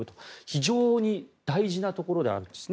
非常に大事なところなんです。